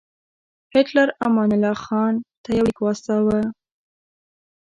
هیټلر امان الله خان ته یو لیک واستاوه.